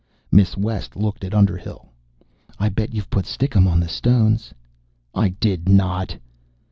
Miss West looked at Underhill. "I bet you've put stickum on the stones." "I did not!"